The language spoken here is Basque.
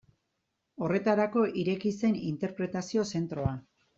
Horretarako ireki zen interpretazio zentroa.